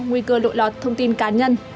nguy cơ lội lọt thông tin cá nhân